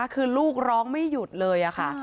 คือลูกร้องไม่หยุดเลยค่ะ